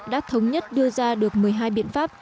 đã thống nhất đưa ra được một mươi hai biện pháp